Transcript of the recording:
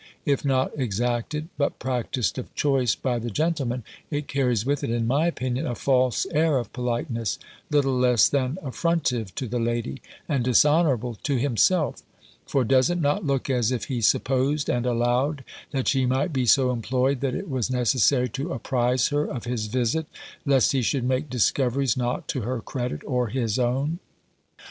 If not exacted, but practised of choice by the gentleman, it carries with it, in my opinion, a false air of politeness, little less than affrontive to the lady, and dishonourable to himself; for does it not look as if he supposed, and allowed, that she might be so employed that it was necessary to apprise her of his visit, lest he should make discoveries not to her credit or his own?"